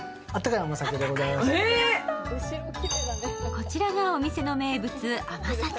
こちらがお店の名物、甘酒。